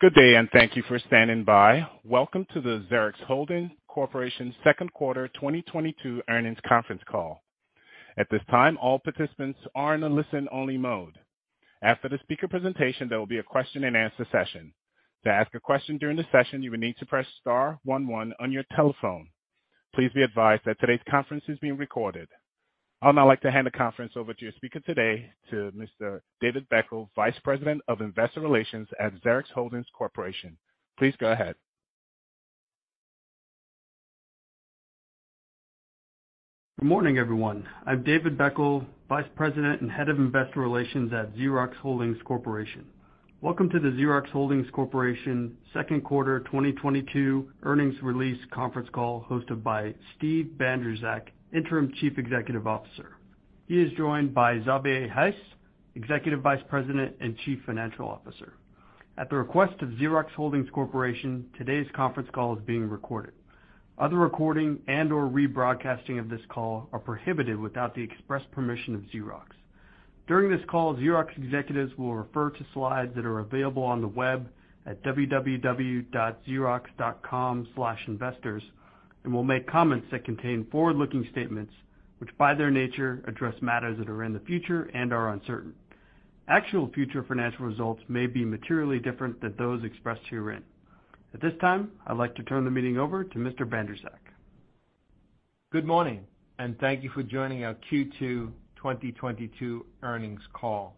Good day, and thank you for standing by. Welcome to the Xerox Holdings Corporation second quarter 2022 earnings conference call. At this time, all participants are in a listen-only mode. After the speaker presentation, there will be a question-and-answer session. To ask a question during the session, you will need to press Star One One on your telephone. Please be advised that today's conference is being recorded. I'd now like to hand the conference over to your speaker today, to Mr. David Beckel, Vice President of Investor Relations at Xerox Holdings Corporation. Please go ahead. Good morning, everyone. I'm David Beckel, Vice President and Head of Investor Relations at Xerox Holdings Corporation. Welcome to the Xerox Holdings Corporation second quarter 2022 earnings release conference call hosted by Steve Bandrowczak, Interim Chief Executive Officer. He is joined by Xavier Heiss, Executive Vice President and Chief Financial Officer. At the request of Xerox Holdings Corporation, today's conference call is being recorded. Other recording and/or rebroadcasting of this call are prohibited without the express permission of Xerox. During this call, Xerox executives will refer to slides that are available on the web at www.xerox.com/investors, and will make comments that contain forward-looking statements which, by their nature, address matters that are in the future and are uncertain. Actual future financial results may be materially different than those expressed herein. At this time, I'd like to turn the meeting over to Mr. Bandrowczak. Good morning, and thank you for joining our Q2 2022 earnings call.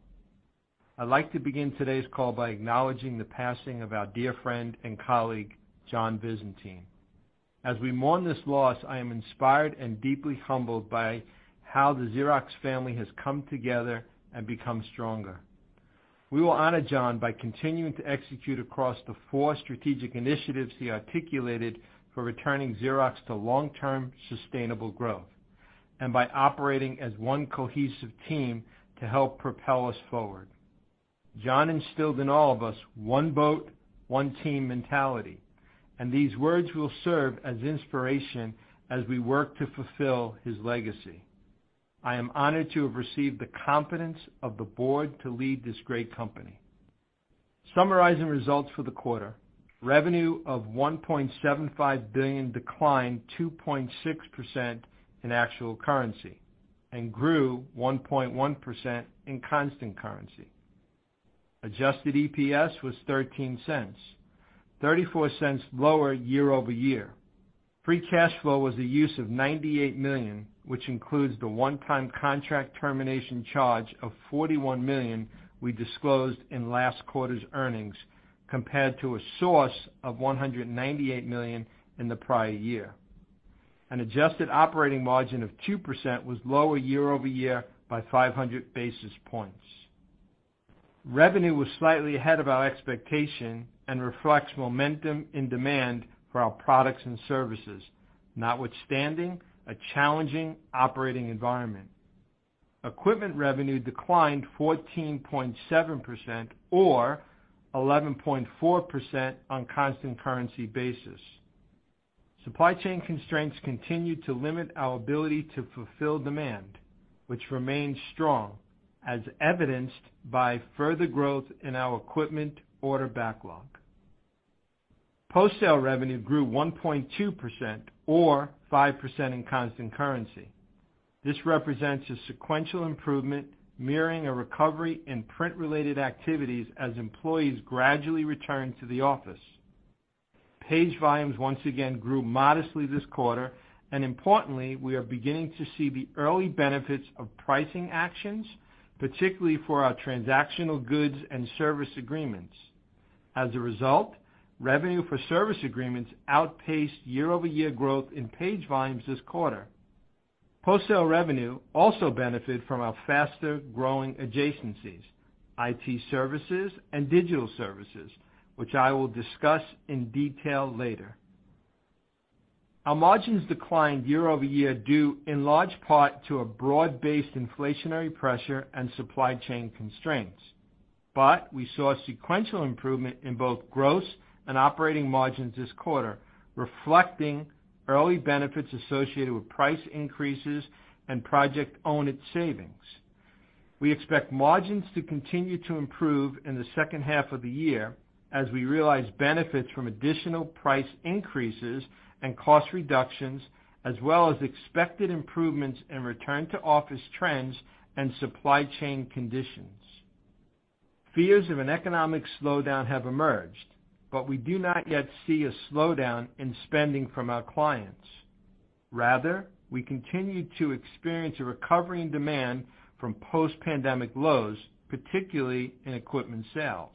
I'd like to begin today's call by acknowledging the passing of our dear friend and colleague, John Visentin. As we mourn this loss, I am inspired and deeply humbled by how the Xerox family has come together and become stronger. We will honor John by continuing to execute across the four strategic initiatives he articulated for returning Xerox to long-term sustainable growth, and by operating as one cohesive team to help propel us forward. John instilled in all of us one boat, one team mentality, and these words will serve as inspiration as we work to fulfill his legacy. I am honored to have received the confidence of the board to lead this great company. Summarizing results for the quarter, revenue of $1.75 billion declined 2.6% in actual currency and grew 1.1% in constant currency. Adjusted EPS was $0.13, $0.34 lower year-over-year. Free cash flow was a use of $98 million, which includes the one-time contract termination charge of $41 million we disclosed in last quarter's earnings, compared to a source of $198 million in the prior year. An adjusted operating margin of 2% was lower year-over-year by 500 basis points. Revenue was slightly ahead of our expectation and reflects momentum in demand for our products and services, notwithstanding a challenging operating environment. Equipment revenue declined 14.7% or 11.4% on constant currency basis. Supply chain constraints continued to limit our ability to fulfill demand, which remained strong, as evidenced by further growth in our equipment order backlog. Post-sale revenue grew 1.2% or 5% in constant currency. This represents a sequential improvement, mirroring a recovery in print-related activities as employees gradually return to the office. Page volumes once again grew modestly this quarter, and importantly, we are beginning to see the early benefits of pricing actions, particularly for our transactional goods and service agreements. As a result, revenue for service agreements outpaced year-over-year growth in page volumes this quarter. Post-sale revenue also benefited from our faster-growing adjacencies, IT services and digital services, which I will discuss in detail later. Our margins declined year-over-year due in large part to a broad-based inflationary pressure and supply chain constraints. We saw sequential improvement in both gross and operating margins this quarter, reflecting early benefits associated with price increases and Project Own It savings. We expect margins to continue to improve in the second half of the year as we realize benefits from additional price increases and cost reductions, as well as expected improvements in return to office trends and supply chain conditions. Fears of an economic slowdown have emerged, but we do not yet see a slowdown in spending from our clients. Rather, we continue to experience a recovery in demand from post-pandemic lows, particularly in equipment sales.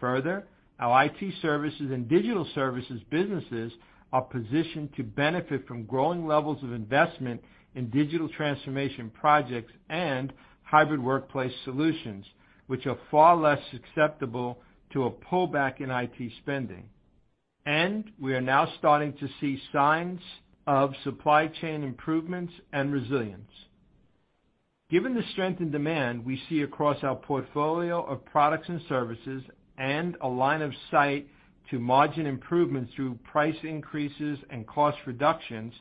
Further, our IT Services and Digital Services businesses are positioned to benefit from growing levels of investment in digital transformation projects and hybrid workplace solutions, which are far less susceptible to a pullback in IT spending. We are now starting to see signs of supply chain improvements and resilience. Given the strength in demand we see across our portfolio of products and services and a line of sight to margin improvements through price increases and cost reductions,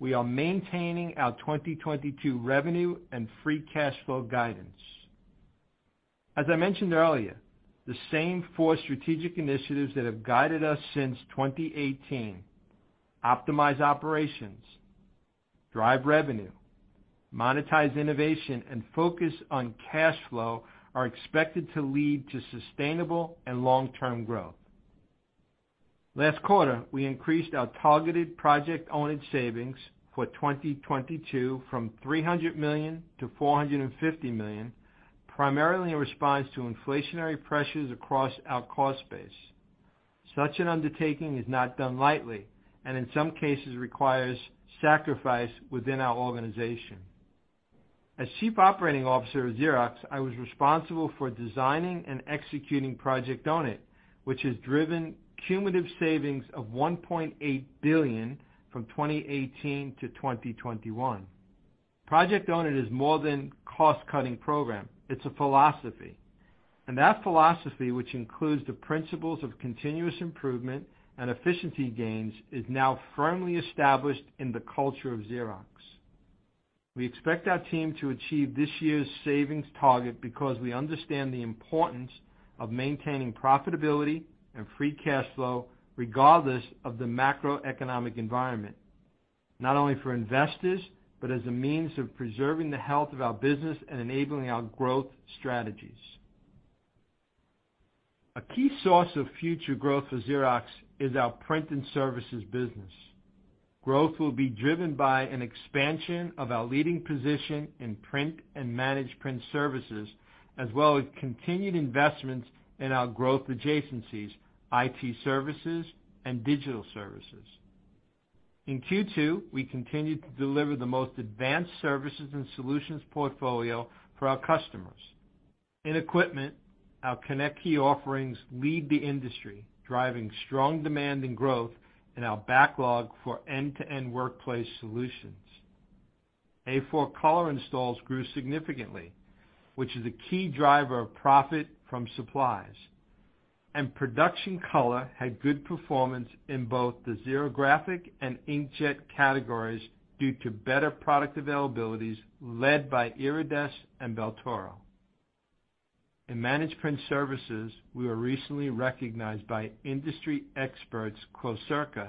we are maintaining our 2022 revenue and free cash flow guidance. As I mentioned earlier, the same four strategic initiatives that have guided us since 2018, optimize operations, drive revenue, monetize innovation, and focus on cash flow, are expected to lead to sustainable and long-term growth. Last quarter, we increased our targeted Project Own It savings for 2022 from $300 million-$450 million, primarily in response to inflationary pressures across our cost base. Such an undertaking is not done lightly, and in some cases requires sacrifice within our organization. As Chief Operating Officer of Xerox, I was responsible for designing and executing Project Own It, which has driven cumulative savings of $1.8 billion from 2018 to 2021. Project Own It is more than cost-cutting program. It's a philosophy. That philosophy, which includes the principles of continuous improvement and efficiency gains, is now firmly established in the culture of Xerox. We expect our team to achieve this year's savings target because we understand the importance of maintaining profitability and free cash flow regardless of the macroeconomic environment, not only for investors, but as a means of preserving the health of our business and enabling our growth strategies. A key source of future growth for Xerox is our Print and Services business. Growth will be driven by an expansion of our leading position in print and managed print services, as well as continued investments in our growth adjacencies, IT services, and digital services. In Q2, we continued to deliver the most advanced services and solutions portfolio for our customers. In equipment, our ConnectKey offerings lead the industry, driving strong demand and growth in our backlog for end-to-end workplace solutions. A4 color installs grew significantly, which is a key driver of profit from supplies. Production color had good performance in both the xerographic and inkjet categories due to better product availabilities led by Iridesse and Baltoro. In managed print services, we were recently recognized by industry experts Quocirca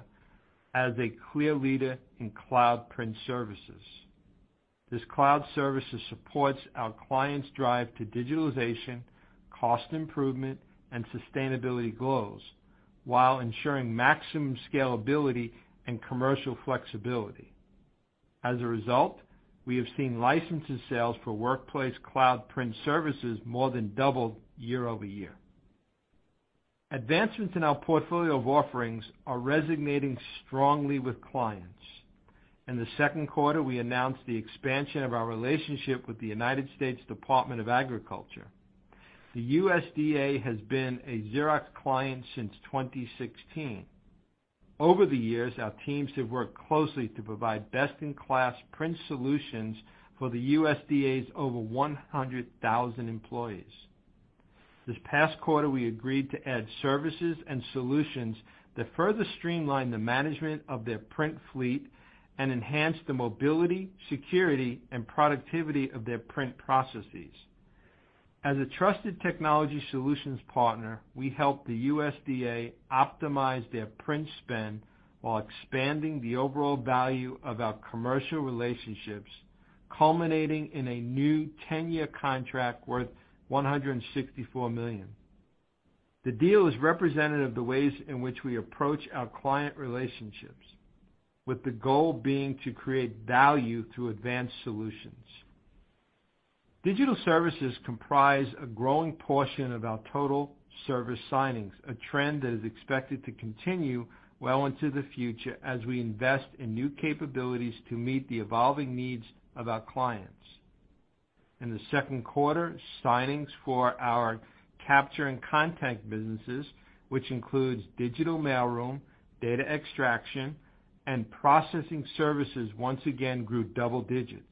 as a clear leader in cloud print services. This cloud services supports our clients' drive to digitalization, cost improvement, and sustainability goals while ensuring maximum scalability and commercial flexibility. As a result, we have seen license sales for Workplace Cloud Print Services more than double year-over-year. Advancements in our portfolio of offerings are resonating strongly with clients. In the second quarter, we announced the expansion of our relationship with the United States Department of Agriculture. The USDA has been a Xerox client since 2016. Over the years, our teams have worked closely to provide best-in-class print solutions for the USDA's over 100,000 employees. This past quarter, we agreed to add services and solutions that further streamline the management of their print fleet and enhance the mobility, security, and productivity of their print processes. As a trusted technology solutions partner, we help the USDA optimize their print spend while expanding the overall value of our commercial relationships, culminating in a new ten-year contract worth $164 million. The deal is representative of the ways in which we approach our client relationships, with the goal being to create value through advanced solutions. Digital services comprise a growing portion of our total service signings, a trend that is expected to continue well into the future as we invest in new capabilities to meet the evolving needs of our clients. In the second quarter, signings for our capture and content businesses, which includes digital mail room, data extraction, and processing services, once again grew double digits.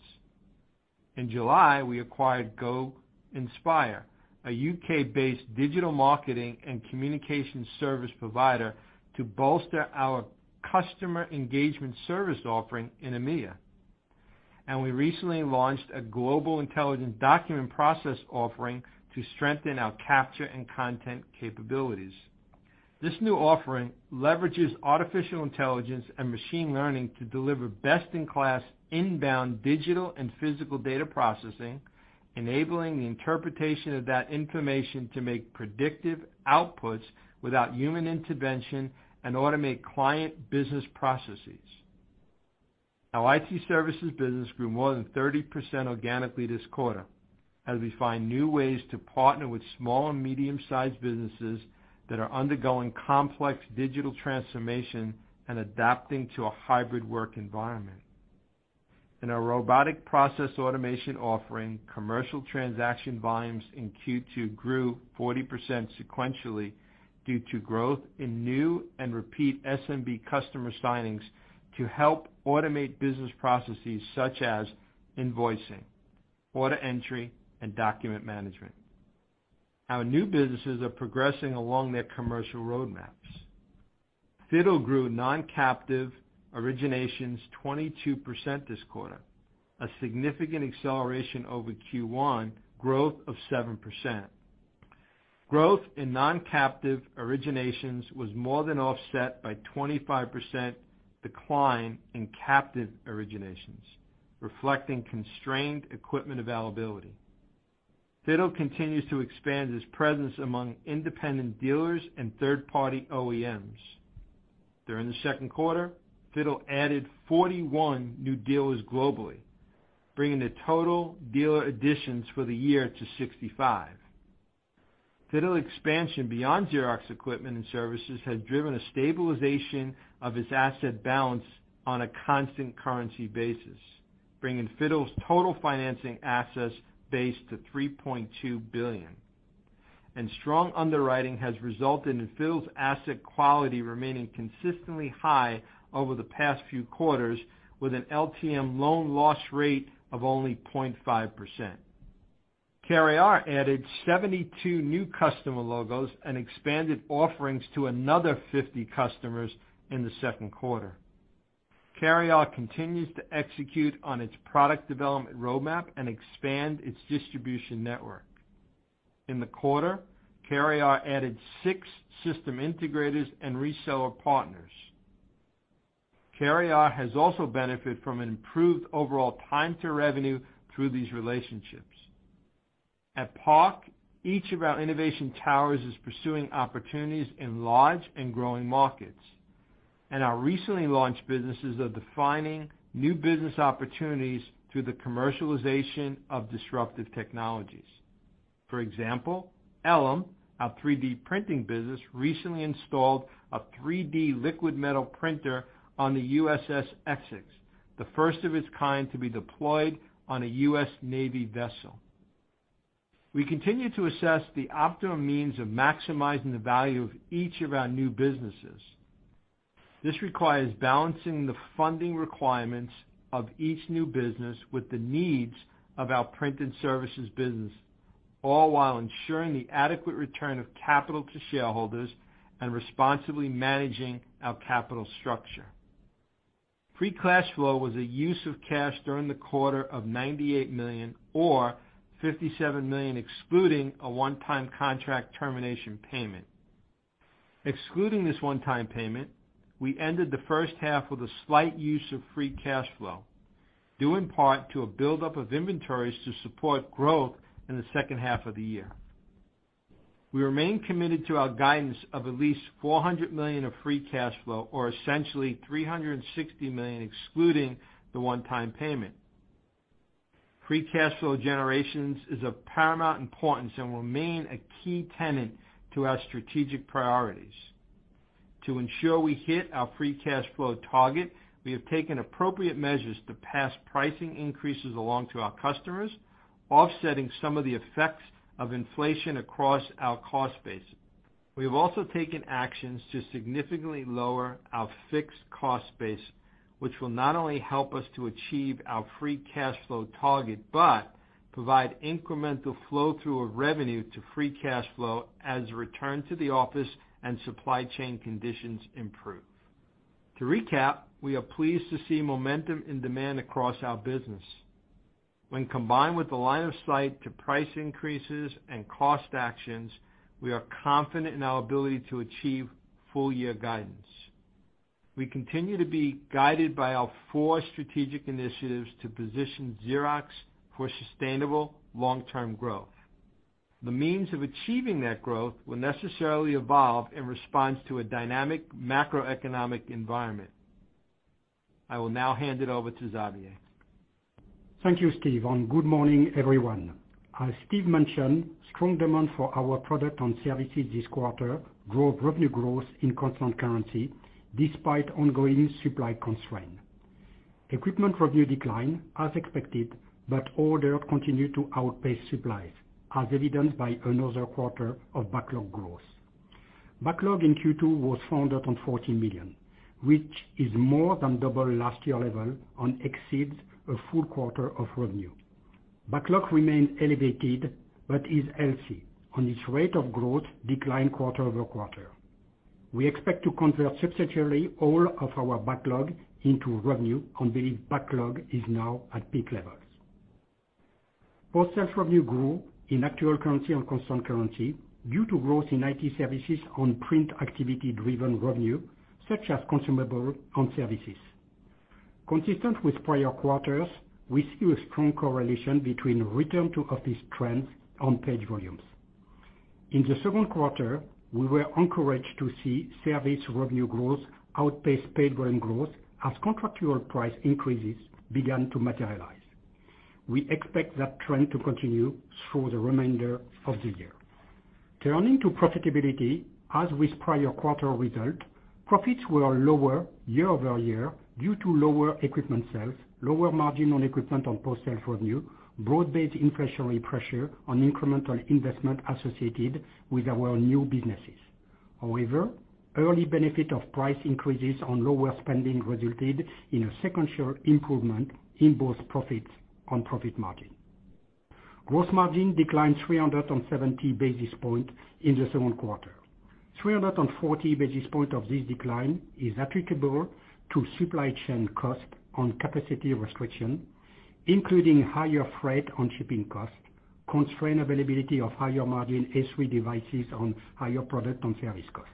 In July, we acquired Go Inspire, a U.K.-based digital marketing and communication service provider to bolster our customer engagement service offering in EMEA. We recently launched a global intelligent document process offering to strengthen our capture and content capabilities. This new offering leverages artificial intelligence and machine learning to deliver best-in-class inbound digital and physical data processing, enabling the interpretation of that information to make predictive outputs without human intervention and automate client business processes. Our IT Services business grew more than 30% organically this quarter as we find new ways to partner with small and medium-sized businesses that are undergoing complex digital transformation and adapting to a hybrid work environment. In our robotic process automation offering, commercial transaction volumes in Q2 grew 40% sequentially due to growth in new and repeat SMB customer signings to help automate business processes such as invoicing, order entry and document management. Our new businesses are progressing along their commercial roadmaps. FITTLE grew non-captive originations 22% this quarter, a significant acceleration over Q1, growth of 7%. Growth in non-captive originations was more than offset by 25% decline in captive originations, reflecting constrained equipment availability. FITTLE continues to expand its presence among independent dealers and third-party OEMs. During the second quarter, FITTLE added 41 new dealers globally, bringing the total dealer additions for the year to 65. FITTLE expansion beyond Xerox equipment and services has driven a stabilization of its asset balance on a constant currency basis, bringing FITTLE's total financing assets base to $3.2 billion. Strong underwriting has resulted in FITTLE's asset quality remaining consistently high over the past few quarters, with an LTM loan loss rate of only 0.5%. CareAR added 72 new customer logos and expanded offerings to another 50 customers in the second quarter. CareAR continues to execute on its product development roadmap and expand its distribution network. In the quarter, CareAR added six system integrators and reseller partners. CareAR has also benefited from an improved overall time to revenue through these relationships. At PARC, each of our innovation towers is pursuing opportunities in large and growing markets, and our recently launched businesses are defining new business opportunities through the commercialization of disruptive technologies. For example, Elem, our 3D printing business, recently installed a 3D liquid metal printer on the USS Essex, the first of its kind to be deployed on a U.S. Navy vessel. We continue to assess the optimum means of maximizing the value of each of our new businesses. This requires balancing the funding requirements of each new business with the needs of our print and services business, all while ensuring the adequate return of capital to shareholders and responsibly managing our capital structure. Free cash flow was a use of cash during the quarter of $98 million, or $57 million, excluding a one-time contract termination payment. Excluding this one-time payment, we ended the first half with a slight use of free cash flow, due in part to a buildup of inventories to support growth in the second half of the year. We remain committed to our guidance of at least $400 million of free cash flow, or essentially $360 million excluding the one-time payment. Free cash flow generation is of paramount importance and will remain a key tenet to our strategic priorities. To ensure we hit our free cash flow target, we have taken appropriate measures to pass pricing increases along to our customers, offsetting some of the effects of inflation across our cost base. We have also taken actions to significantly lower our fixed cost base, which will not only help us to achieve our free cash flow target, but provide incremental flow through of revenue to free cash flow as return to the office and supply chain conditions improve. To recap, we are pleased to see momentum and demand across our business. When combined with the line of sight to price increases and cost actions, we are confident in our ability to achieve full year guidance. We continue to be guided by our four strategic initiatives to position Xerox for sustainable long-term growth. The means of achieving that growth will necessarily evolve in response to a dynamic macroeconomic environment. I will now hand it over to Xavier. Thank you, Steve, and good morning, everyone. As Steve mentioned, strong demand for our product and services this quarter drove revenue growth in constant currency despite ongoing supply constraints. Equipment revenue declined as expected, but orders continue to outpace supplies, as evidenced by another quarter of backlog growth. Backlog in Q2 was $440 million, which is more than double last year's level and exceeds a full quarter of revenue. Backlog remains elevated but is healthy, and its rate of growth declined quarter-over-quarter. We expect to convert substantially all of our backlog into revenue and believe backlog is now at peak levels. Post-sales revenue grew in actual currency and constant currency due to growth in IT services and print activity-driven revenue, such as consumables and services. Consistent with prior quarters, we see a strong correlation between return-to-office trends and page volumes. In the second quarter, we were encouraged to see service revenue growth outpace page volume growth as contractual price increases began to materialize. We expect that trend to continue through the remainder of the year. Turning to profitability, as with prior quarter results, profits were lower year over year due to lower equipment sales, lower margin on equipment and post-sales revenue, broad-based inflationary pressure and incremental investment associated with our new businesses. However, early benefit of price increases and lower spending resulted in a sequential improvement in both profits and profit margin. Gross margin declined 370 basis points in the second quarter. 340 basis points of this decline is applicable to supply chain costs and capacity restriction, including higher freight and shipping costs, constrained availability of higher margin A3 devices and higher product and service costs.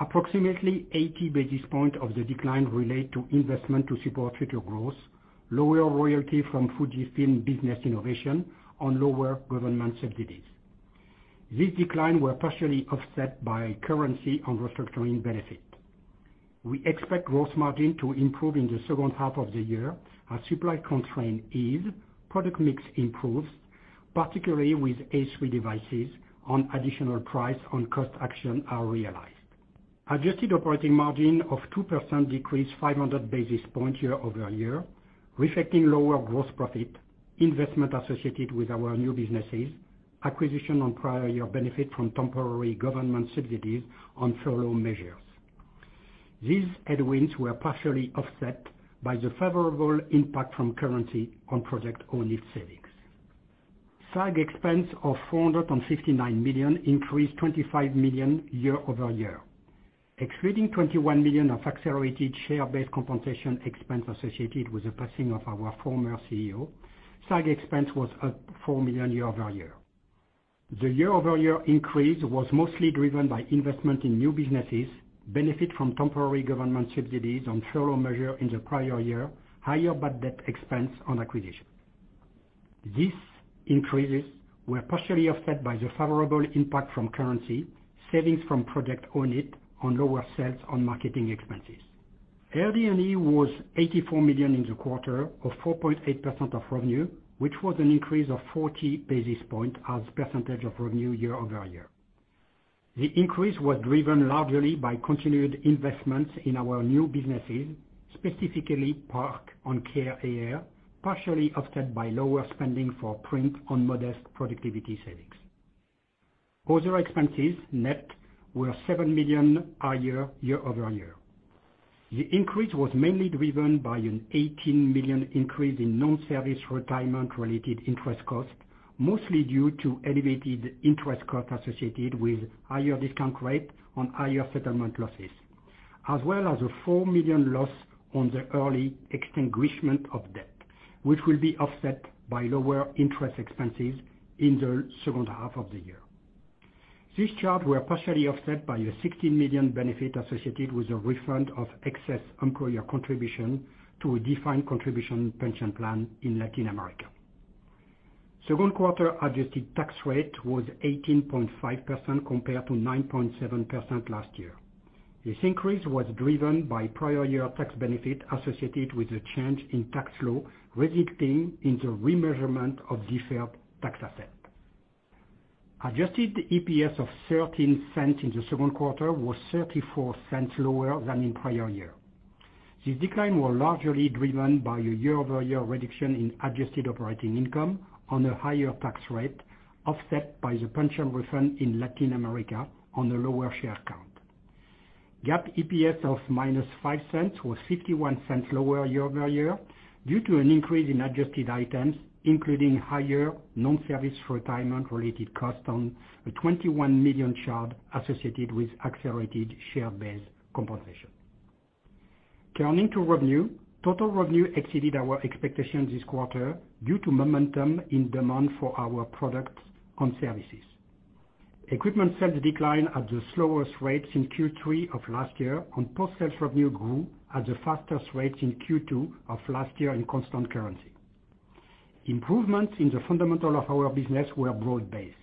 Approximately 80 basis points of the decline relate to investments to support future growth, lower royalties from FUJIFILM Business Innovation on lower government subsidies. These declines were partially offset by currency and restructuring benefits. We expect gross margin to improve in the second half of the year as supply constraints ease, product mix improves, particularly with A3 devices, and additional price-on-cost actions are realized. Adjusted operating margin of 2% decreased 500 basis points year-over-year, reflecting lower gross profit, investments associated with our new businesses, acquisitions, and prior-year benefits from temporary government subsidies and furlough measures. These headwinds were partially offset by the favorable impact from currency and Project Own It lease savings. SAG expense of $459 million increased $25 million year-over-year. Excluding $21 million of accelerated share-based compensation expense associated with the passing of our former CEO, SAG expense was up $4 million year-over-year. The year-over-year increase was mostly driven by investment in new businesses, benefit from temporary government subsidies on furlough measure in the prior year, higher bad debt expense on acquisition. These increases were partially offset by the favorable impact from currency, savings from Project Own It, and lower sales and marketing expenses. LD&E was $84 million in the quarter or 4.8% of revenue, which was an increase of 40 basis points as percentage of revenue year-over-year. The increase was driven largely by continued investments in our new businesses, specifically PARC and CareAR, partially offset by lower spending for print and modest productivity savings. Other expenses net were $7 million higher year-over-year. The increase was mainly driven by a $18 million increase in non-service retirement-related interest costs, mostly due to elevated interest costs associated with higher discount rate on higher settlement losses, as well as a $4 million loss on the early extinguishment of debt, which will be offset by lower interest expenses in the second half of the year. These charges were partially offset by a $16 million benefit associated with the refund of excess employer contribution to a defined contribution pension plan in Latin America. Second quarter adjusted tax rate was 18.5% compared to 9.7% last year. This increase was driven by prior year tax benefit associated with a change in tax law, resulting in the remeasurement of deferred tax asset. Adjusted EPS of $0.13 in the second quarter was $0.34 lower than in prior year. This decline was largely driven by a year-over-year reduction in adjusted operating income on a higher tax rate, offset by the pension refund in Latin America on a lower share count. GAAP EPS of -$0.05 was $0.51 lower year-over-year due to an increase in adjusted items, including higher non-service retirement-related costs, a $21 million charge associated with accelerated share-based compensation. Turning to revenue, total revenue exceeded our expectations this quarter due to momentum in demand for our products and services. Equipment sales declined at the slowest rates in Q3 of last year, and post-sale revenue grew at the fastest rates in Q2 of last year in constant currency. Improvements in the fundamentals of our business were broad-based.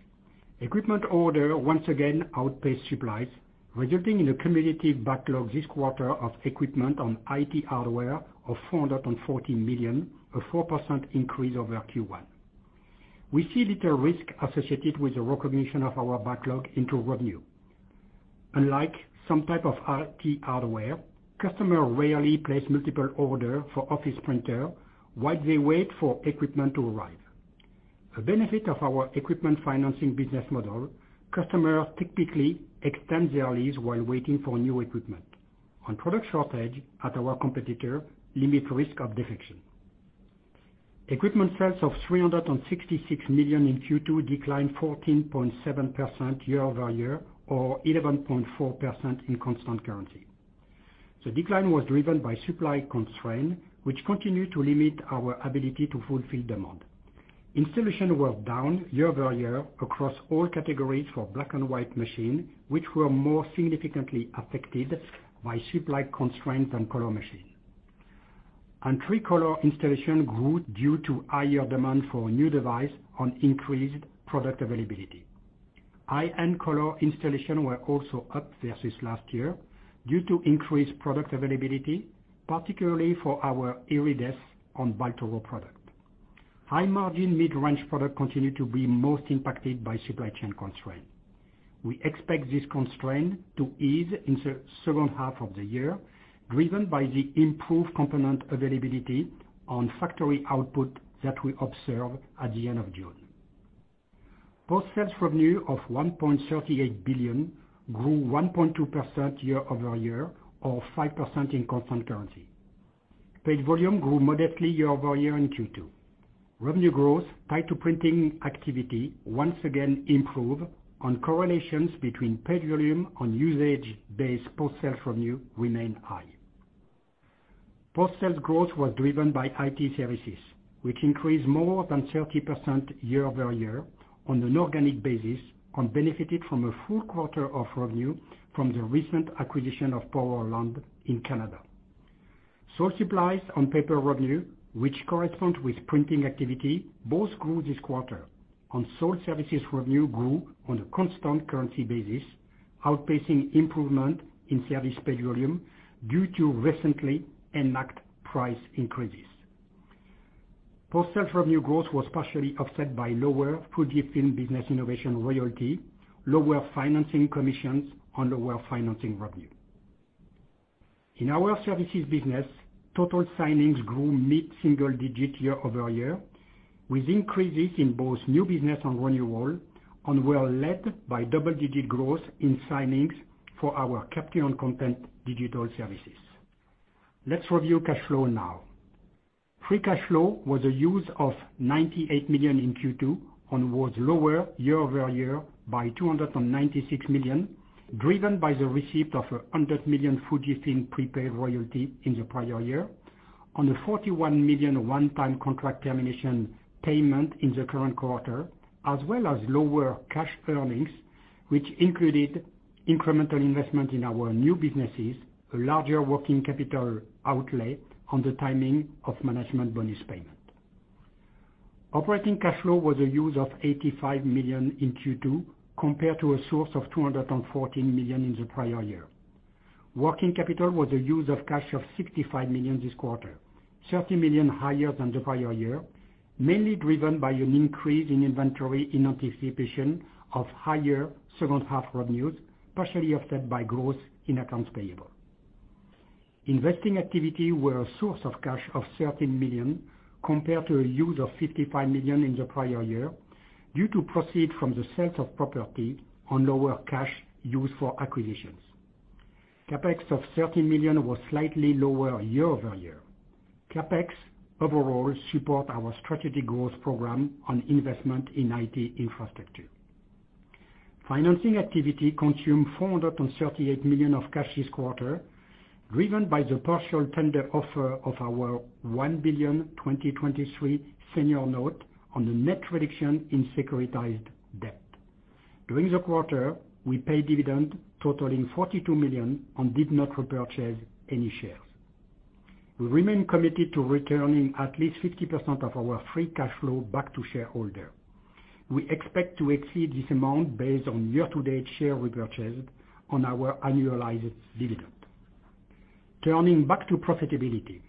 Equipment orders once again outpaced supplies, resulting in a cumulative backlog this quarter of equipment on IT hardware of $440 million, a 4% increase over Q1. We see little risk associated with the recognition of our backlog into revenue. Unlike some type of IT hardware, customers rarely place multiple orders for office printers while they wait for equipment to arrive. A benefit of our Equipment Financing business model, customers typically extend their leases while waiting for new equipment. Product shortages at our competitors limit risk of defection. Equipment sales of $366 million in Q2 declined 14.7% year-over-year or 11.4% in constant currency. The decline was driven by supply constraints, which continued to limit our ability to fulfill demand. Installations were down year-over-year across all categories for black-and-white machines, which were more significantly affected by supply constraints than color machines. Entry-level color installations grew due to higher demand for a new device and increased product availability. High-end color installations were also up versus last year due to increased product availability, particularly for our Iridesse and Baltoro products. High-margin mid-range products continued to be most impacted by supply chain constraints. We expect this constraint to ease in the second half of the year, driven by the improved component availability and factory output that we observed at the end of June. Post-sales revenue of $1.38 billion grew 1.2% year-over-year or 5% in constant currency. Paid volume grew modestly year-over-year in Q2. Revenue growth tied to printing activity once again improved and correlations between paid volume and usage-based post-sales revenue remained high. Post-sales growth was driven by IT services, which increased more than 30% year-over-year on an organic basis and benefited from a full quarter of revenue from the recent acquisition of Powerland in Canada. Source supplies and paper revenue, which correspond with printing activity, both grew this quarter, and sold services revenue grew on a constant currency basis, outpacing improvement in service paid volume due to recently enacted price increases. Post-sales revenue growth was partially offset by lower FUJIFILM Business Innovation royalty, lower financing commissions, and lower financing revenue. In our Services business, total signings grew mid-single digit year-over-year, with increases in both new business and renewal, and were led by double-digit growth in signings for our capture and content digital services. Let's review cash flow now. Free cash flow was a use of $98 million in Q2 and was lower year-over-year by $296 million, driven by the receipt of $100 million FUJIFILM prepaid royalty in the prior year. On a $41 million one-time contract termination payment in the current quarter, as well as lower cash earnings, which included incremental investment in our new businesses, a larger working capital outlay on the timing of management bonus payment. Operating cash flow was a use of $85 million in Q2, compared to a source of $214 million in the prior year. Working capital was a use of cash of $65 million this quarter, $30 million higher than the prior year, mainly driven by an increase in inventory in anticipation of higher second half revenues, partially offset by growth in accounts payable. Investing activity was a source of cash of $13 million, compared to a use of $55 million in the prior year due to proceeds from the sales of property and lower cash used for acquisitions. CapEx of $13 million was slightly lower year-over-year. CapEx overall supports our strategic growth program and investment in IT infrastructure. Financing activity consumed $438 million of cash this quarter, driven by the partial tender offer of our $1 billion 2023 senior note and the net reduction in securitized debt. During the quarter, we paid dividends totaling $42 million and did not repurchase any shares. We remain committed to returning at least 50% of our free cash flow back to shareholders. We expect to exceed this amount based on year-to-date share repurchases and our annualized dividend. Turning back to profitability.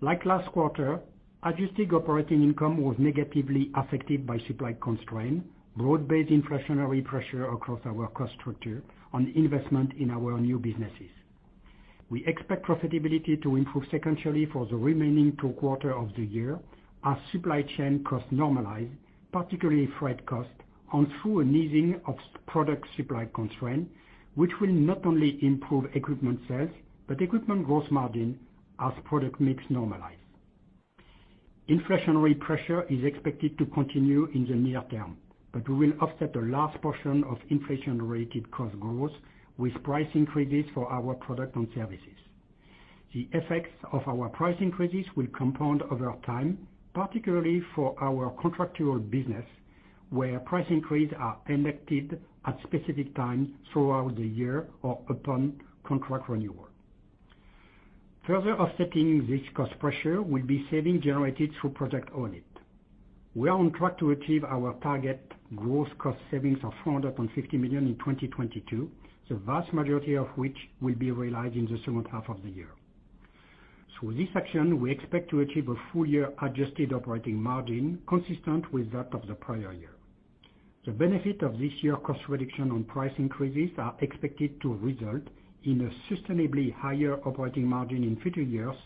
Like last quarter, adjusted operating income was negatively affected by supply constraint, broad-based inflationary pressure across our cost structure and investment in our new businesses. We expect profitability to improve sequentially for the remaining two quarters of the year as supply chain costs normalize, particularly freight costs, and through an easing of product supply constraint, which will not only improve equipment sales, but equipment gross margin as product mix normalizes. Inflationary pressure is expected to continue in the near term, but we will offset a large portion of inflation-related cost growth with price increases for our products and services. The effects of our price increases will compound over time, particularly for our contractual business, where price increases are enacted at specific times throughout the year or upon contract renewal. Further offsetting this cost pressure will be savings generated through Project Own It. We are on track to achieve our target gross cost savings of $450 million in 2022, the vast majority of which will be realized in the second half of the year. Through this action, we expect to achieve a full year adjusted operating margin consistent with that of the prior year. The benefit of this year cost reduction on price increases are expected to result in a sustainably higher operating margin in future years,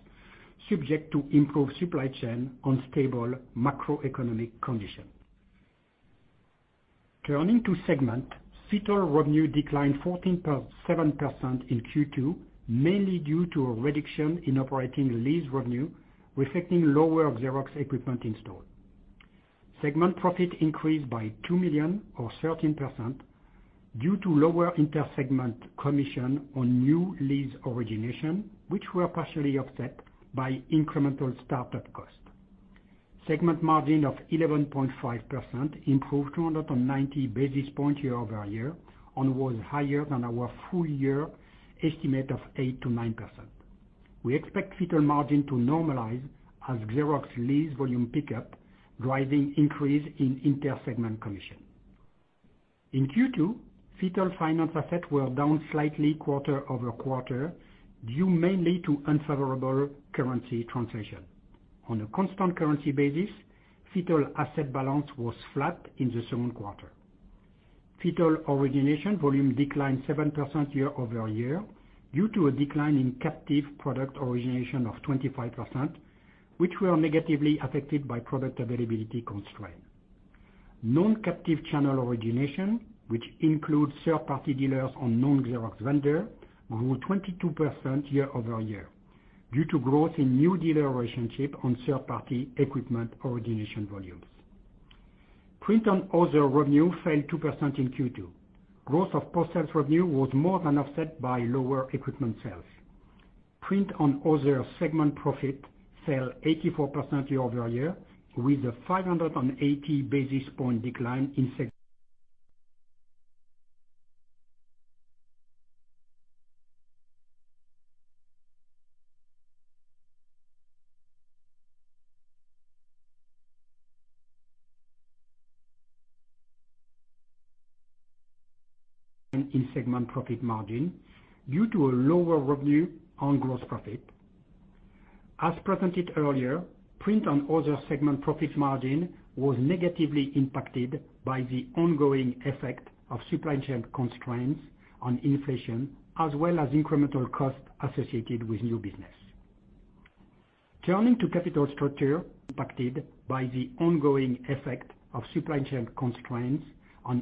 subject to improved supply chain and stable macroeconomic conditions. Turning to segment, FITTLE revenue declined 14.7% in Q2, mainly due to a reduction in operating lease revenue, reflecting lower Xerox equipment installed. Segment profit increased by $2 million or 13% due to lower inter-segment commission on new lease origination, which were partially offset by incremental start-up costs. Segment margin of 11.5% improved 290 basis points year-over-year and was higher than our full year estimate of 8%-9%. We expect FITTLE margin to normalize as Xerox lease volume pick up, driving increase in inter-segment commission. In Q2, FITTLE finance assets were down slightly quarter-over-quarter, due mainly to unfavorable currency translation. On a constant currency basis, FITTLE asset balance was flat in the second quarter. FITTLE origination volume declined 7% year-over-year due to a decline in captive product origination of 25%, which were negatively affected by product availability constraint. Non-captive channel origination, which includes third-party dealers and non-Xerox vendor, grew 22% year-over-year due to growth in new dealer relationship and third party equipment origination volumes. Print and other revenue fell 2% in Q2. Growth of professional services was more than offset by lower equipment sales. Print and Other segment profit fell 84% year-over-year with a 580 basis point decline in segment profit margin due to lower revenue and gross profit. As presented earlier, Print and Other segment profit margin was negatively impacted by the ongoing effect of supply chain constraints and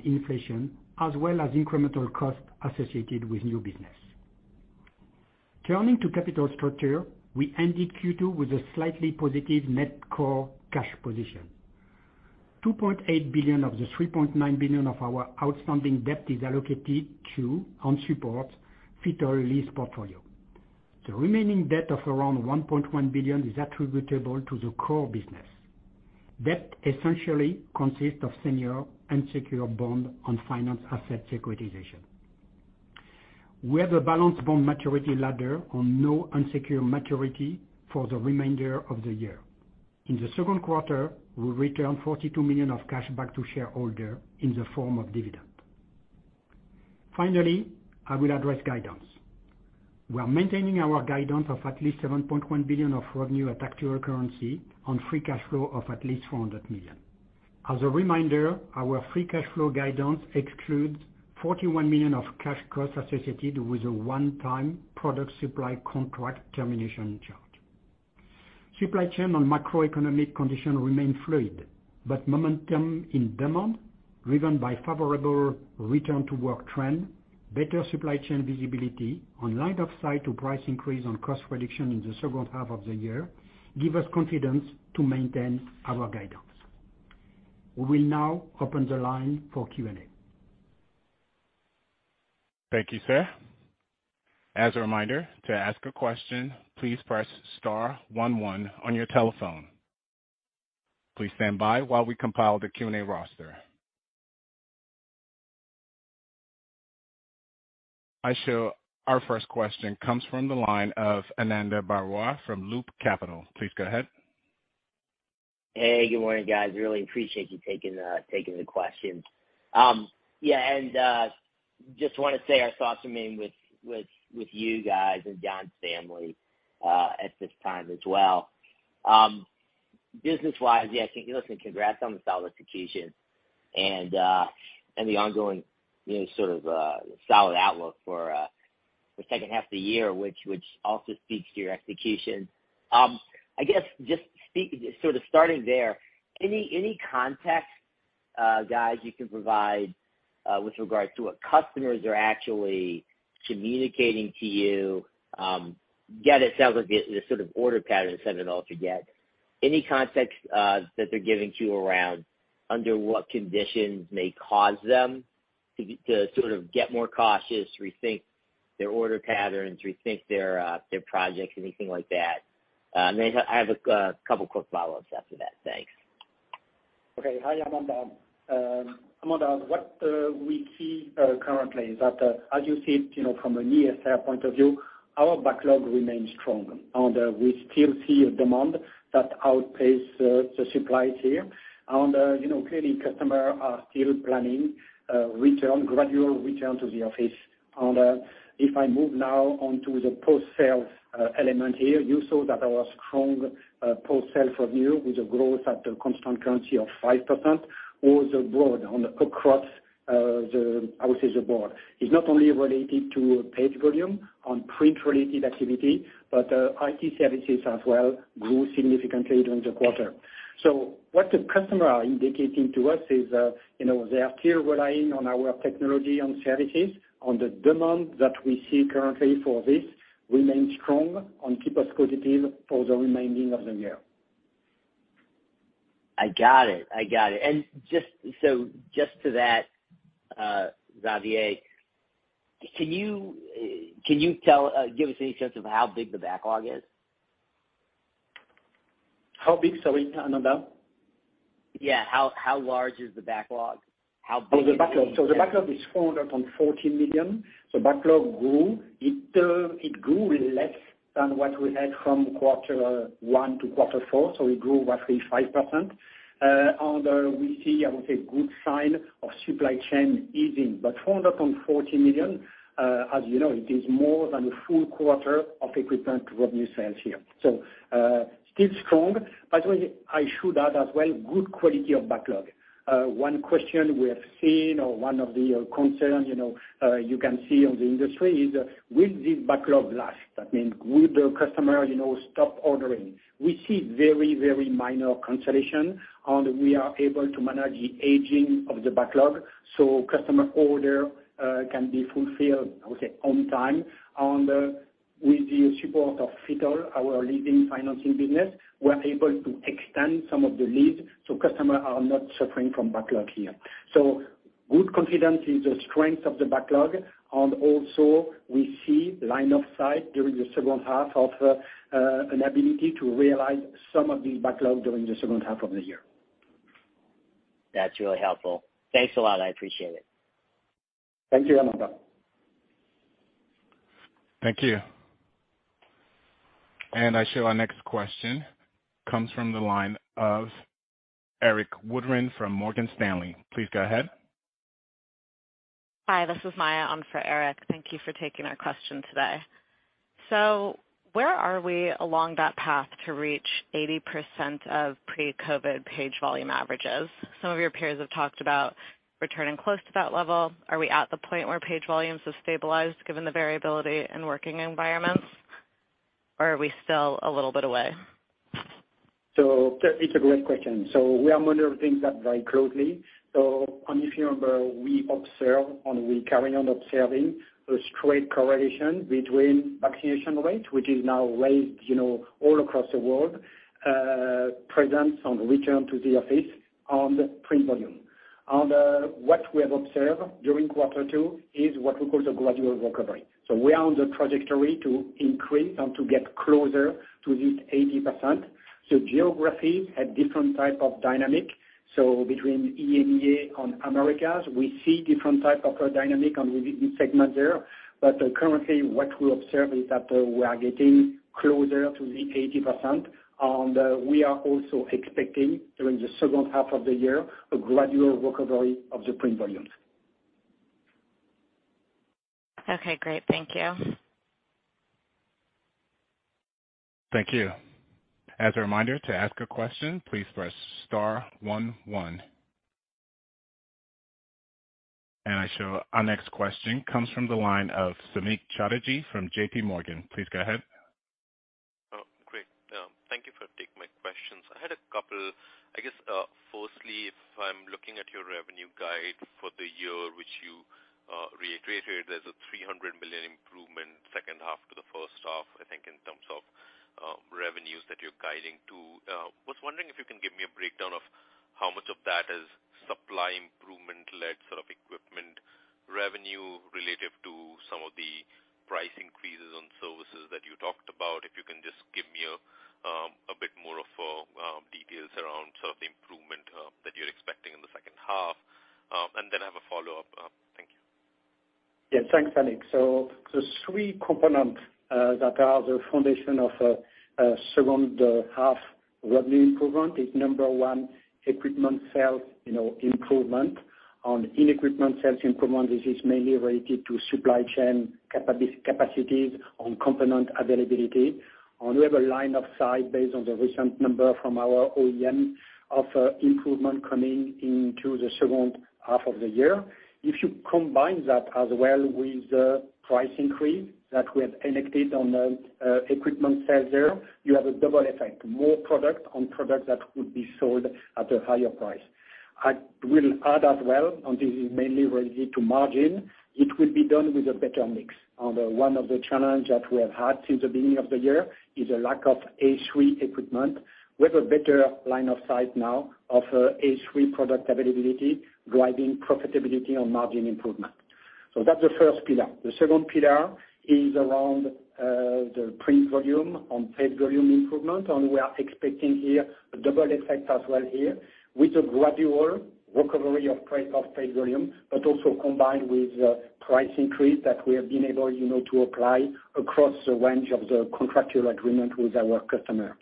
inflation, as well as incremental costs associated with new business. Turning to capital structure, we ended Q2 with a slightly positive net core cash position. $2.8 billion of the $3.9 billion of our outstanding debt is allocated to non-supported fleet lease portfolio. The remaining debt of around $1.1 billion is attributable to the core business. Debt essentially consists of senior unsecured bonds and finance asset securitization. We have a balanced bond maturity ladder with no unsecured maturities for the remainder of the year. In the second quarter, we returned $42 million of cash back to shareholders in the form of dividends. Finally, I will address guidance. We are maintaining our guidance of at least $7.1 billion of revenue at actual currency and free cash flow of at least $400 million. As a reminder, our free cash flow guidance excludes $41 million of cash costs associated with a one-time product supply contract termination charge. Supply chain and macroeconomic conditions remain fluid, but momentum in demand, driven by favorable return to work trends, better supply chain visibility and line of sight to price increases and cost reductions in the second half of the year, give us confidence to maintain our guidance. We will now open the line for Q&A. Thank you, sir. As a reminder, to ask a question, please press Star One One on your telephone. Please stand by while we compile the Q&A roster. Our first question comes from the line of Ananda Baruah from Loop Capital. Please go ahead. Hey, good morning, guys. Really appreciate you taking the question. Yeah, just wanna say our thoughts remain with you guys and John's family at this time as well. Business-wise, yeah, listen congrats on the solid execution and the ongoing, you know, sort of, solid outlook for the second half of the year which also speaks to your execution. I guess just sort of starting there, any context guys you can provide with regards to what customers are actually communicating to you. This sort of order pattern sentiment altogether. Any context that they're giving to you around under what conditions may cause them to sort of get more cautious, rethink their order patterns, rethink their projects, anything like that? I have a couple quick follow-ups after that. Thanks. Okay. Hey, Ananda, what we see currently is that, as you see it, you know, from a year standpoint of view, our backlog remains strong. We still see a demand that outpace the supply here. You know, clearly customer are still planning gradual return to the office. If I move now onto the post-sale element here, you saw that our strong post-sale revenue with a growth at a constant currency of 5% or thereabouts across the board. It's not only related to page volume on print-related activity, but IT Services as well grew significantly during the quarter. What the customers are indicating to us is, you know, they are still relying on our technology and services, and the demand that we see currently for this remains strong and keeps us positive for the remainder of the year. I got it. Just so, just to that, Xavier, can you give us any sense of how big the backlog is? How big, sorry Ananda? Yeah. How large is the backlog? How big is it? Oh, the backlog. The backlog is $440 million. Backlog grew. It grew less than what we had from quarter one to quarter four, so we grew roughly 5%. We see, I would say good sign of supply chain easing. $440 million, as you know, it is more than a full quarter of equipment revenue sales here. Still strong. By the way, I should add as well, good quality of backlog. One question we have seen or one of the concerns, you know, you can see on the industry is, will this backlog last? That means would the customer, you know, stop ordering? We see very, very minor cancellation, and we are able to manage the aging of the backlog so customer order can be fulfilled, I would say, on time. With the support of FITTLE, our leading financing business, we're able to extend some of the leases so customers are not suffering from backlog here. Good confidence in the strength of the backlog and also we see line of sight during the second half of an ability to realize some of the backlog during the second half of the year. That's really helpful. Thanks a lot, I appreciate it. Thank you, Ananda. Thank you. Our next question comes from the line of Erik Woodring from Morgan Stanley. Please go ahead. Hi, this is Maya on for Erik. Thank you for taking our question today. Where are we along that path to reach 80% of pre-COVID page volume averages? Some of your peers have talked about returning close to that level. Are we at the point where page volumes have stabilized given the variability in working environments? Or are we still a little bit away? It's a great question. We are monitoring that very closely. If you remember, we observe and we carry on observing a straight correlation between vaccination rate, which is now raised, you know, all across the world, presence or return to the office and print volume. What we have observed during quarter two is what we call the gradual recovery. We are on the trajectory to increase and to get closer to this 80%. Geography had different type of dynamic. Between EMEA and Americas, we see different type of dynamic on the segment there. Currently what we observe is that, we are getting closer to the 80%, and we are also expecting during the second half of the year, a gradual recovery of the print volumes. Okay, great. Thank you. Thank you. As a reminder, to ask a question, please press Star One One. Our next question comes from the line of Samik Chatterjee from J.P. Morgan. Please go ahead. Oh, great. Thank you for taking my questions. I had a couple. I guess, firstly, if I'm looking at your revenue guide for the year, which you, reiterated, there's a $300 million improvement second half to the first half, I think, in terms of, revenues that you're guiding to. Was wondering if you can give me a breakdown of how much of that is supply improvement-led sort of equipment revenue related to some of the price increases on services that you talked about. If you can just give me a bit more of, details around sort of the improvement, that you're expecting in the second half. And then I have a follow-up. Thank you. Yeah, thanks, Samik. The three components that are the foundation of second half revenue improvement is number one, equipment sales, you know, improvement. On equipment sales improvement, this is mainly related to supply chain capacities on component availability. We have a line of sight based on the recent number from our OEM of improvement coming into the second half of the year. If you combine that as well with the price increase that we have enacted on equipment sales there, you have a double effect. More product on product that could be sold at a higher price. I will add as well, and this is mainly related to margin, it will be done with a better mix. One of the challenge that we have had since the beginning of the year is a lack of A3 equipment. We have a better line of sight now of A3 product availability, driving profitability on margin improvement. That's the first pillar. The second pillar is around the print volume on paid volume improvement, and we are expecting here a double effect as well here with a gradual recovery of print paid volume, but also combined with the price increase that we have been able, you know, to apply across a range of the contractual agreement with our customer.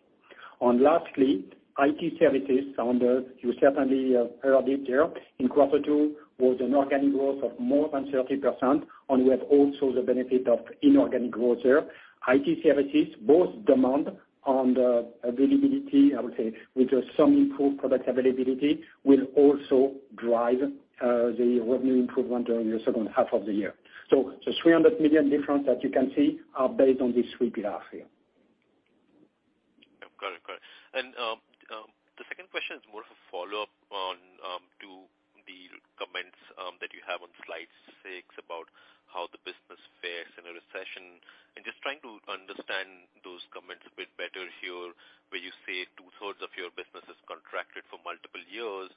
Lastly, IT Services, as you certainly have heard it here. In quarter two was an organic growth of more than 30%, and we have also the benefit of inorganic growth there. IT Services both demand and availability, I would say, with some improved product availability, will also drive the revenue improvement during the second half of the year. The $300 million difference that you can see are based on these three pillars here. Got it. The second question is more of a follow-up on to the comments that you have on slide six about how the business fares in a recession. I'm just trying to understand those comments a bit better here, where you say 2/3 of your business is contracted for multiple years,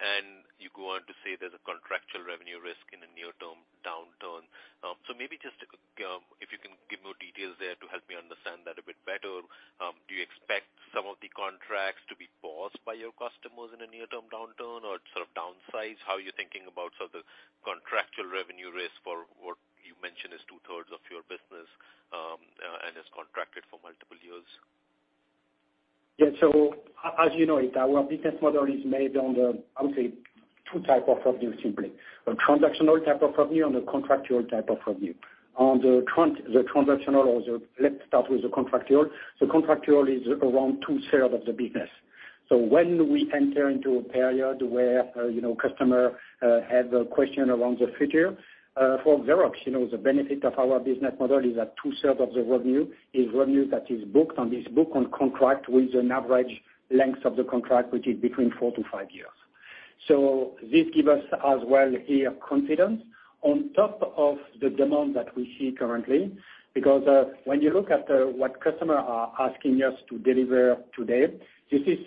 and you go on to say there's a contractual revenue risk in a near-term downturn. Maybe just if you can give more details there to help me understand that a bit better. Better, do you expect some of the contracts to be paused by your customers in a near-term downturn or sort of downsize? How are you thinking about sort of the contractual revenue risk for what you mentioned is 2/3 of your business, and is contracted for multiple years? Yeah. As you know it, our business model is made up of the, I would say, two types of revenue simply. A transactional type of revenue and a contractual type of revenue. Let's start with the contractual. Contractual is around 2/3 of the business. When we enter into a period where, you know, customers have a question around the future for Xerox, you know, the benefit of our business model is that 2/3 of the revenue is revenue that is booked on the books on contract with an average length of the contract, which is between four to five years. This gives us as well here confidence on top of the demand that we see currently. When you look at what customers are asking us to deliver today, this is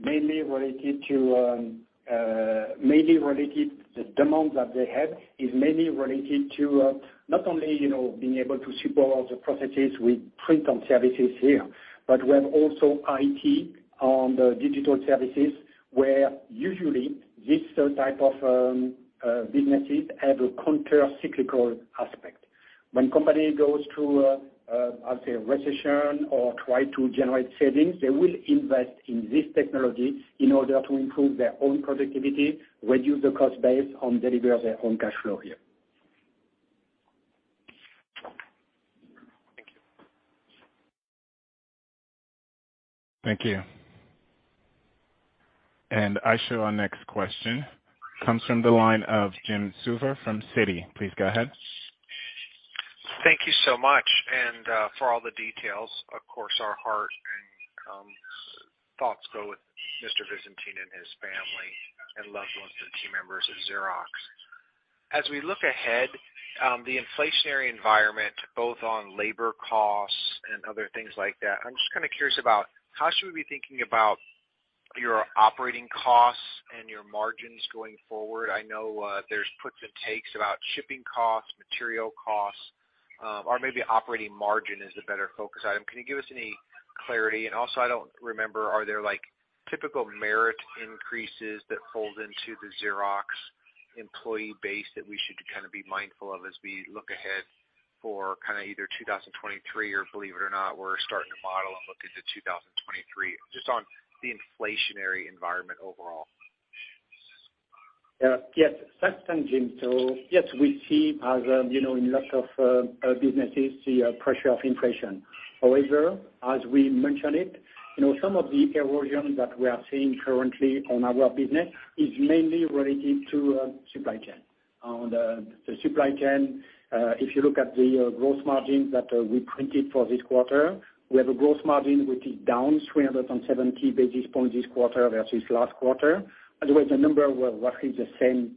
mainly related to the demand that they have, mainly related to not only, you know, being able to support the processes with Print Services here, but we have also IT and Digital Services, where usually this type of businesses have a countercyclical aspect. When companies go through, I would say, a recession or try to generate savings, they will invest in this technology in order to improve their own productivity, reduce the cost base, and deliver their own cash flow here. Thank you. Thank you. Our next question comes from the line of Jim Suva from Citi. Please go ahead. Thank you so much and for all the details. Of course, our heart and thoughts go with Mr. Visentin and his family and loved ones and team members at Xerox. As we look ahead, the inflationary environment, both on labor costs and other things like that, I'm just kind of curious about how should we be thinking about your operating costs and your margins going forward? I know, there's puts and takes about shipping costs, material costs, or maybe operating margin is a better focus item. Can you give us any clarity? Also, I don't remember, are there like typical merit increases that fold into the Xerox employee base that we should kind of be mindful of as we look ahead for kind of either 2023 or believe it or not, we're starting to model and look into 2023? Just on the inflationary environment overall. Yeah. Yes. Thanks, Jim. Yes, we see as, you know, in lots of businesses, the pressure of inflation. However, as we mentioned it, you know, some of the erosion that we are seeing currently on our business is mainly related to supply chain. On the supply chain, if you look at the gross margins that we printed for this quarter, we have a gross margin which is down 370 basis points this quarter versus last quarter. By the way, the number were roughly the same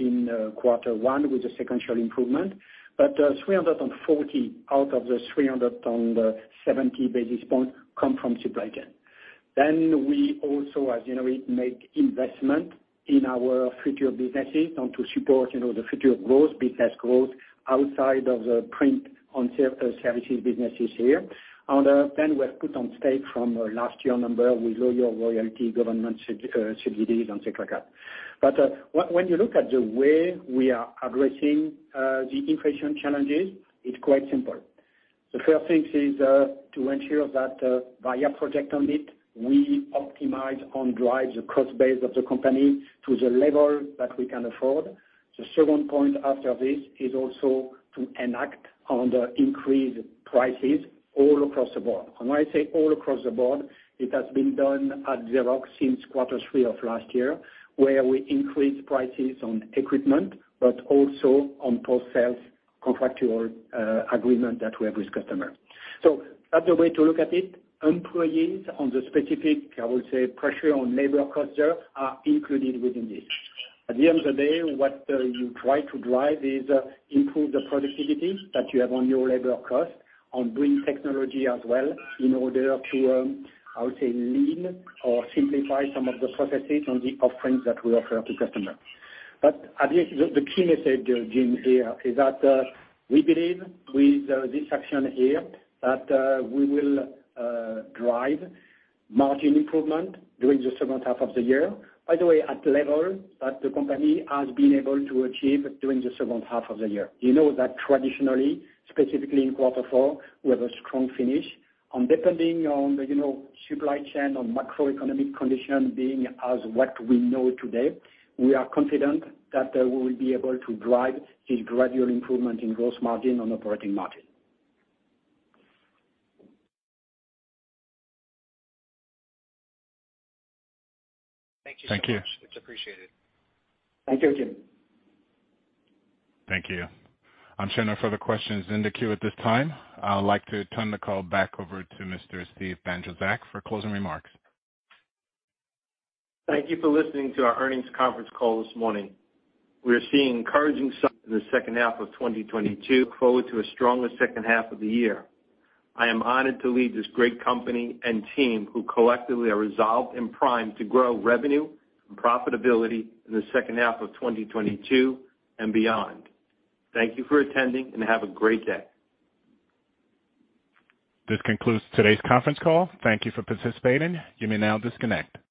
in quarter one with the sequential improvement. 340 out of the 370 basis points come from supply chain. We also, as you know, we make investment in our future businesses and to support, you know, the future growth, business growth outside of the print on certain services businesses here. We have put on the stake from last year's number with royalty, government subsidies and things like that. When you look at the way we are addressing the inflation challenges, it's quite simple. The first thing is to ensure that via Project Own It, we optimize and drive the cost base of the company to the level that we can afford. The second point after this is also to act on the increased prices all across the board. When I say all across the board, it has been done at Xerox since quarter three of last year, where we increased prices on equipment, but also on post-sales contractual agreement that we have with customer. That's the way to look at it. Employees on the specific, I would say, pressure on labor costs there are included within this. At the end of the day, what you try to drive is improve the productivity that you have on your labor cost and bring technology as well in order to, I would say lean or simplify some of the processes on the offerings that we offer to customers. At the end, the key message, Jim, here is that, we believe with this action here that, we will drive margin improvement during the second half of the year. By the way, at level that the company has been able to achieve during the second half of the year. You know that traditionally, specifically in quarter four, we have a strong finish. Depending on the, you know, supply chain or macroeconomic condition being as what we know today, we are confident that we will be able to drive a gradual improvement in gross margin and operating margin. Thank you so much. It's appreciated. Thank you, Jim. Thank you. I'm showing no further questions in the queue at this time. I would like to turn the call back over to Mr. Steve Bandrowczak for closing remarks. Thank you for listening to our earnings conference call this morning. We are seeing encouraging signs in the second half of 2022, looking forward to a stronger second half of the year. I am honored to lead this great company and team who collectively are resolved and primed to grow revenue and profitability in the second half of 2022 and beyond. Thank you for attending, and have a great day. This concludes today's conference call. Thank you for participating. You may now disconnect.